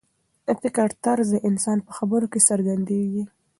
د فکر طرز د انسان په خبرو کې څرګندېږي.